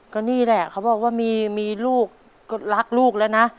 ก็นี่แหละเขาบอกว่ามีลูกก็รักลูกแล้วนะ